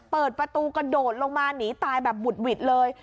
เปิดประตูกระโดดลงมาหนีตายแบบบุดหวิดเลย